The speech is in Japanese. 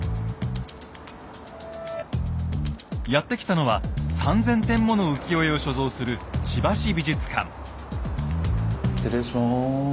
やって来たのは３，０００点もの浮世絵を所蔵する失礼します。